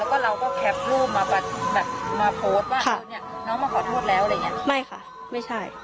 แล้วก็เราก็แคปรูปมาแบบมาโพสต์ว่าเออเนี่ยน้องมาขอโทษแล้วอะไรอย่างเงี้ยไม่ค่ะไม่ใช่